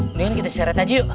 mendingan kita syeret aja yuk